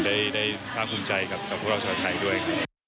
ได้ตั้งคุณใจกับผู้รักษาไทยด้วย